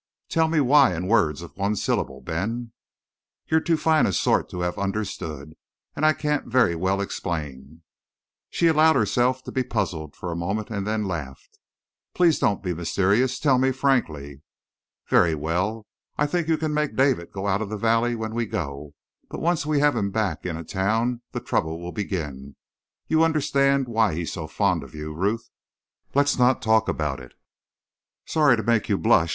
"Tell me why in words of one syllable, Ben." "You're too fine a sort to have understood. And I can't very well explain." She allowed herself to be puzzled for a moment and then laughed. "Please don't be mysterious. Tell me frankly." "Very well. I think you can make David go out of the valley when we go. But once we have him back in a town the trouble will begin. You understand why he's so fond of you, Ruth?" "Let's not talk about it." "Sorry to make you blush.